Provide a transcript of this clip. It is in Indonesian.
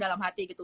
dalam hati gitu